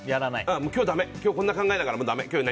今日だめ、こんな考えだからだめ。